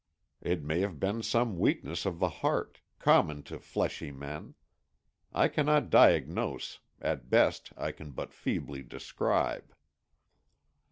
It may have been some weakness of the heart, common to fleshy men. I cannot diagnose, at best I can but feebly describe.